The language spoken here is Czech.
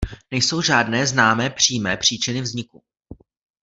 Nejsou žádné známé přímé příčiny vzniku.